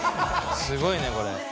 すごいねこれ。